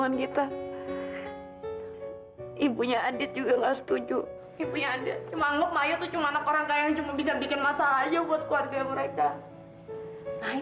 jangan buat keluarga kami yang udah miskin